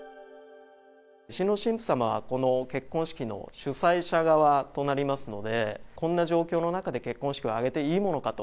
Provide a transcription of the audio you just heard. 新郎新婦様は、この結婚式の主催者側となりますので、こんな状況の中で結婚式を挙げていいものかと。